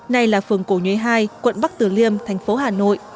nay là phường cổ nhuế hai quận bắc tử liêm thành phố hà nội